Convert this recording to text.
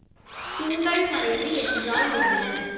திங்கள் மறைவு என்றால் என்ன?